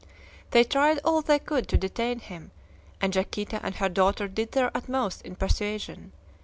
They tried all they could to detain him, and Yaquita and her daughter did their utmost in persuasion.